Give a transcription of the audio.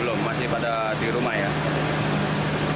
belum masih pada di rumah ya